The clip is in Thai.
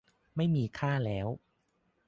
ไม่มีค่าแล้ว